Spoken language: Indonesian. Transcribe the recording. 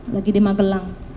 lagi di magelang